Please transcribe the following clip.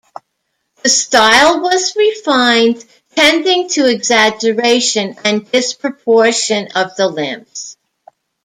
The style was refined, tending to exaggeration and disproportion of the limbs.